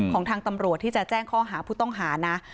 ของทางตำรวจที่จะแจ้งข้อหาผู้ต้องหานะ